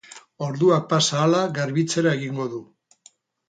Orduak pasa ahala garbitzera egingo du.